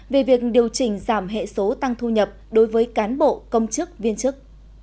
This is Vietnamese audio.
về việc điều chỉnh giảm hệ số tăng thu nhập đối với cán bộ công chức viên chức